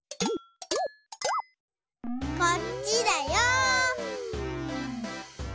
こっちだよ！